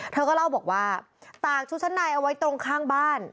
เธอก็เล่าบอกว่าตากชุดชั้นในเอาไว้ตรงข้างบ้าน